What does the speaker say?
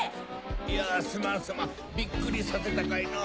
いやすまんすまんビックリさせたかいのう。